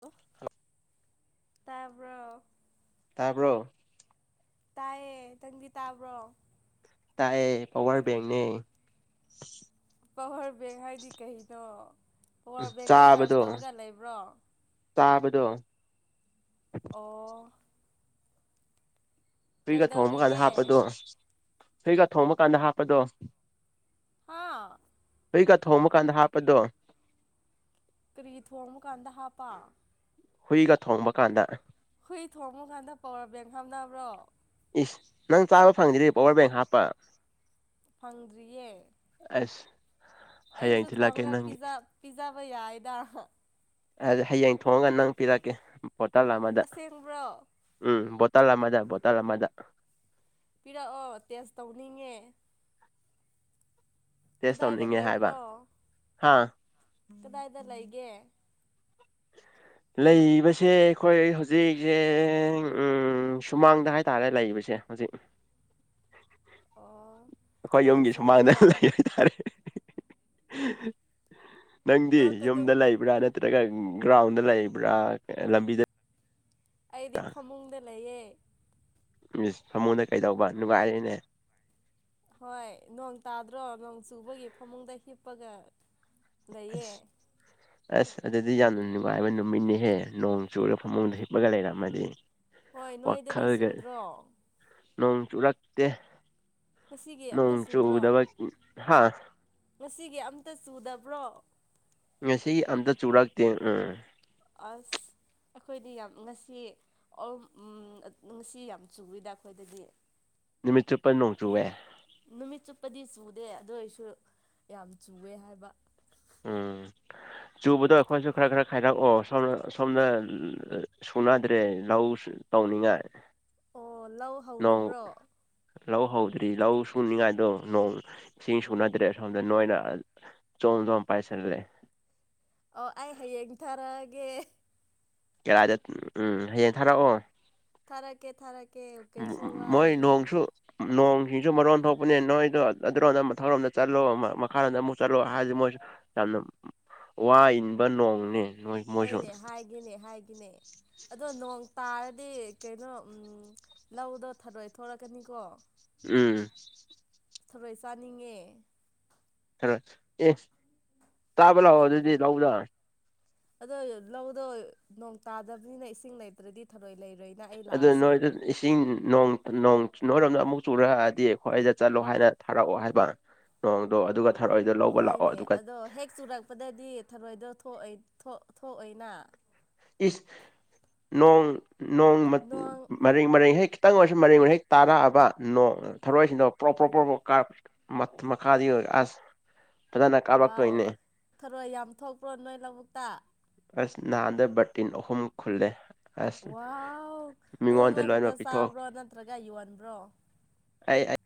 ꯂꯣ ꯇꯥꯕ꯭ꯔꯣ꯫ ꯇꯥꯕ꯭ꯔꯣ ꯇꯥꯏꯌꯦ ꯅꯪꯗꯤ ꯇꯥꯕ꯭ꯔꯣ ꯇꯥꯏꯌꯦ ꯄꯋꯥꯔ ꯕꯦꯡꯅꯦ ꯄꯋꯥꯔ ꯕꯦꯡ ꯍꯥꯏꯗꯤ ꯀꯩꯅꯣ ꯄꯋꯥꯔ ꯕꯦꯡꯗ ꯆꯥꯔꯖ ꯇꯧꯔꯒ ꯂꯩꯕ꯭ꯔꯣ ꯇꯥꯕꯗꯣ ꯑꯣ ꯐ꯭ꯔꯤꯒ ꯊꯣꯡꯕꯀꯥꯟꯗ ꯍꯥꯞꯄꯗꯣ ꯀꯩꯗꯧꯔꯤꯒꯦ ꯐ꯭ꯔꯤꯒ ꯊꯣꯡꯕ ꯀꯥꯟꯗ ꯍꯥꯞꯄꯗꯣ ꯍꯥꯥ [unintelligible] ꯊꯣꯡꯕ ꯀꯥꯟꯗ ꯍꯥꯞꯄꯗꯣ ꯀꯔꯤ ꯊꯣꯡꯕ ꯀꯥꯟꯗ ꯍꯥꯞꯄ ꯍꯨꯏꯒ ꯊꯣꯡꯕ ꯀꯥꯟꯗ ꯍꯨꯏ ꯊꯣꯡꯕꯀꯥꯟꯗ ꯄꯋꯥꯔ ꯕꯦꯡ ꯍꯥꯞꯅꯕ꯭ꯔꯣ ꯏꯁ ꯅꯪ ꯆꯥꯕ ꯐꯪꯗꯗꯤ ꯄꯋꯥꯔ ꯕꯦꯡ ꯍꯥꯞꯄ ꯐꯪꯗ꯭ꯔꯤꯌꯦ ꯑꯁ ꯍꯌꯦꯡ ꯑꯩꯁꯨ ꯊꯤꯜꯂꯛꯀꯦ ꯊꯣꯡꯒ ꯅꯪꯒꯤ ꯄꯤꯖ ꯄꯤꯖꯕ ꯌꯥꯏꯗ ꯑꯗ ꯍꯌꯦꯡ ꯊꯣꯡꯉꯒ ꯅꯪ ꯄꯤꯔꯛꯀꯦ ꯕꯣꯇꯜ ꯑꯃꯗ ꯑꯁꯦꯡꯕ꯭ꯔꯣ ꯎꯝ ꯕꯣꯇꯜ ꯑꯃꯗ ꯕꯣꯇꯜ ꯑꯃꯗ ꯄꯤꯔꯛꯑꯣ ꯇꯦꯁ ꯇꯧꯅꯤꯡꯉꯦ ꯇꯦꯁ ꯀꯗꯥꯏꯗ ꯇꯧꯅꯤꯡꯉꯦ ꯍꯥꯏꯕ ꯂꯩꯕ꯭ꯔꯣ ꯍꯥ ꯀꯗꯥꯏꯗ ꯂꯩꯒꯦ [inaudible] ꯂꯩꯕꯁꯦ ꯑꯩꯈꯣꯏ ꯍꯧꯖꯤꯛꯁꯦ ꯎꯝ ꯁꯨꯃꯥꯡꯗ ꯍꯥꯏꯇꯥꯔꯦ ꯂꯩꯕꯁꯦ ꯍꯧꯖꯤꯛ ꯑꯣ ꯑꯩꯈꯣꯏ ꯅꯣꯡ ꯌꯨꯝꯒꯤ ꯁꯨꯃꯥꯡꯗ ꯆꯨꯗ꯭ꯔꯣ ꯂꯩ ꯍꯥꯏꯇꯥꯔꯦ ꯅꯪꯗꯤ ꯅꯣꯛꯀꯅꯨ ꯌꯨꯝꯗ ꯂꯩꯕ꯭ꯔꯥ ꯅꯠꯇ꯭ꯔꯒ ꯒ꯭ꯔꯥꯎꯟꯗ ꯂꯩꯕ꯭ꯔꯥ ꯂꯝꯕꯤꯗ ꯑꯩꯗꯤ ꯐꯃꯨꯡꯗ ꯂꯩꯌꯦ ꯏꯁ ꯐꯃꯨꯡꯗ ꯀꯩꯗꯧꯕ ꯅꯨꯡꯉꯥꯏꯔ‌ꯦꯅꯦ ꯍꯣꯏ ꯅꯣꯡ ꯇꯥꯗ꯭ꯔꯣ ꯅꯣꯡ ꯆꯨꯕꯒꯤ ꯐꯃꯨꯡꯗ ꯍꯤꯞꯄꯒ ꯂꯩꯌꯦ ꯑꯁ [inaudible] ꯑꯁ ꯑꯗꯨꯗꯤ ꯌꯥꯝꯅ ꯅꯨꯡꯉꯥꯏꯕ ꯅꯨꯃꯤꯠꯅꯤꯍꯦ ꯅꯣꯡ ꯆꯨꯔꯒ ꯐꯃꯨꯡꯗ ꯍꯤꯞꯄꯒ ꯂꯩꯔꯝꯃꯗꯤ ꯍꯣꯏ ꯅꯣꯏꯗꯗꯤ ꯋꯥꯈꯜꯒ ꯆꯨꯗ꯭ꯔꯣ ꯅꯣꯡ ꯆꯨꯔꯛꯇꯦ ꯉꯁꯤꯒꯤ ꯅꯣꯡ ꯑꯝꯇ ꯆꯨꯗ꯭ꯔꯣ ꯆꯨꯗꯕ ꯍꯥꯥ ꯉꯁꯤꯒꯤ ꯑꯝꯇ ꯆꯨꯗꯕ꯭ꯔꯣ ꯉꯁꯤ ꯑꯝꯇ ꯆꯨꯔꯛꯇꯦ ꯎꯝ ꯑꯁ ꯑꯩꯈꯣꯏꯗꯤ ꯌꯥꯝ ꯉꯁꯤ ꯑꯣꯝ ꯎꯝ ꯉꯁꯤ ꯌꯥꯝ ꯆꯨꯌꯦꯗ ꯑꯩꯈꯣꯏꯗꯗꯤ ꯅꯨꯃꯤꯠ ꯆꯨꯞꯄ ꯅꯣꯡꯆꯨꯑꯦ ꯅꯨꯃꯤꯠ ꯆꯨꯞꯄꯗꯤ ꯆꯨꯗꯦ ꯑꯗꯨ ꯑꯣꯏꯔꯁꯨ ꯌꯥꯝ ꯆꯨꯋꯦ ꯍꯥꯏꯕ ꯎꯝ [unintelligible] ꯆꯨꯕꯗꯣ ꯑꯩꯈꯣꯏꯁꯨ ꯈꯔ ꯈꯔ ꯈꯥꯏꯗꯛꯑꯣ ꯁꯣꯝꯅ ꯁꯣꯝꯅ ꯁꯣꯟꯅꯗ꯭ꯔꯦ ꯂꯧ ꯇꯥꯎꯅꯤꯡꯉꯥꯏ ꯑꯣ ꯂꯧ ꯍꯧꯔꯕ꯭ꯔꯣ ꯂꯧ ꯍꯧꯗ꯭ꯔꯤ ꯂꯧ ꯁꯨꯅꯤꯡꯉꯥꯏꯗꯣ ꯅꯣꯡ ꯏꯁꯤꯡ ꯁꯨꯅꯗ꯭ꯔꯦ ꯑꯁꯣꯝꯗ ꯅꯣꯏꯅ ꯖꯣꯝ ꯖꯣꯝ ꯄꯥꯏꯁꯜꯂꯦ ꯑꯣ ꯑꯩ ꯍꯌꯦꯡ ꯊꯥꯔꯛꯑꯒꯦ ꯀꯔꯥꯏꯗꯥ ꯎꯝ ꯍꯌꯦꯡ ꯊꯥꯔꯛꯑꯣ ꯊꯥꯔꯛꯀꯦ ꯊꯥꯔꯛ ꯎꯝ ꯃꯣꯏ ꯅꯣꯡꯁꯨ ꯅꯣꯡ ꯁꯤꯡꯁꯨ ꯃꯔꯣꯟ ꯊꯣꯛꯄꯅꯦ ꯅꯣꯏꯗꯣ ꯑꯗꯨꯔꯣꯝꯗ ꯃꯊꯛꯔꯣꯝꯗ ꯆꯠꯂꯣ ꯑꯃ ꯃꯈꯥꯔꯣꯝꯗ ꯑꯃꯨꯛ ꯆꯠꯂꯣ ꯍꯥꯏꯔꯗꯤ ꯃꯣꯏꯁꯨ ꯌꯥꯝꯅ ꯋꯥ ꯏꯟꯕ ꯅꯣꯡꯅꯦ ꯅꯣꯏ ꯃꯣꯏꯁꯨ ꯍꯣꯏꯅꯦ ꯍꯥꯏꯒꯦꯅꯦ ꯍꯥꯏꯒꯦꯅꯦ ꯑꯗꯣ ꯅꯣꯡ ꯇꯥꯔꯗꯤ ꯀꯩꯅꯣ ꯎꯝ ꯂꯧꯗꯣ ꯊꯔꯣꯏ ꯊꯣꯔꯛꯀꯅꯤꯀꯣ ꯎꯝ꯫ ꯊꯔꯣꯏ ꯆꯥꯅꯤꯡꯉꯦ ꯊꯔꯣꯏ ꯑꯦ ꯆꯥꯕ ꯂꯥꯛꯑꯣ ꯑꯗꯨꯗꯤ ꯂꯧꯗ ꯑꯗꯣ ꯂꯧꯗꯣ ꯅꯣꯡ ꯇꯥꯗꯕꯅꯤꯅ ꯏꯁꯤꯡ ꯂꯩꯇ꯭ꯔꯗꯤ ꯊꯔꯣꯏ ꯂꯩꯔꯣꯏ ꯑꯗꯨ ꯅꯣꯏꯗꯨ ꯏꯁꯤꯡ ꯅꯣꯡ ꯅꯣꯡ ꯅꯣꯏꯔꯣꯝꯗ ꯑꯃꯨꯛ ꯆꯨꯔꯛꯑꯗꯤ ꯑꯩꯈꯣꯏꯗ ꯆꯠꯂꯣ ꯍꯥꯏꯔ ꯊꯥꯔꯛꯑꯣ ꯍꯥꯏꯕ ꯅꯣꯡꯗꯣ ꯑꯗꯨꯒ ꯊꯔꯣꯏꯗꯣ ꯂꯧꯕ ꯂꯥꯛꯑꯣ ꯍꯣꯏꯅꯦ ꯑꯗꯨꯒ ꯑꯗꯣ ꯍꯦꯛ ꯆꯨꯔꯛꯄꯗꯗꯤ ꯊꯔꯣꯏꯗꯣ ꯊꯣꯛꯑꯩ ꯊꯣꯛ ꯊꯣꯛꯑꯣꯏꯅꯥ ꯏꯁ ꯅꯣꯡ ꯅꯣꯡ ꯅꯣꯡ ꯃꯔꯩ ꯃꯔꯩ ꯍꯦꯛ ꯇꯪ ꯑꯣꯏꯁꯨ ꯃꯔꯤꯛ ꯃꯔꯩ ꯍꯦꯛ ꯇꯥꯔꯛꯑꯕ ꯅꯣꯡ ꯊꯔꯣꯏꯁꯤꯡꯗꯣ ꯄ꯭ꯔꯣꯛ ꯄ꯭ꯔꯣꯛ ꯄ꯭ꯔꯣꯛ ꯄ꯭ꯔꯣꯛ ꯀꯥꯔ ꯃꯠ ꯃꯈꯥꯗꯤ ꯌꯦꯡꯑꫭ ꯑꯁ ꯐꯖꯅ ꯋꯥꯎ ꯀꯥꯞꯂꯛꯇꯣꯏꯅꯦ ꯊꯔꯣꯏ ꯌꯥꯝ ꯊꯣꯛꯄꯔꯣ ꯅꯣꯏ ꯂꯧꯕꯨꯛꯇꯥ ꯑꯁ ꯅꯍꯥꯟꯗ ꯕꯔꯇꯤꯟ ꯑꯍꯨꯝ ꯈꯨꯜꯂꯦ꯫ ꯑꯁ ꯋꯥꯎ ꯑꯗꯣ ꯃꯤꯉꯣꯟꯗ ꯅꯣꯏ ꯈꯛꯇ ꯂꯣꯏꯅꯃꯛ ꯄꯤꯊꯣꯛ ꯆꯥꯕ꯭ꯔꯣ ꯅꯠꯇ꯭ꯔꯒ ꯌꯣꯟꯕ꯭ꯔꯣ꯫ ꯑꯩ ꯑꯩ